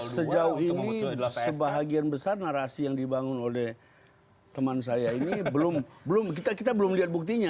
sejauh ini sebagian besar narasi yang dibangun oleh teman saya ini belum kita belum lihat buktinya